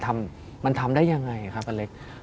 มันทำได้ยังไงครับเล็ก